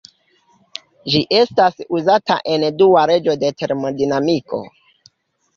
Ĝi estas uzata en Dua leĝo de termodinamiko.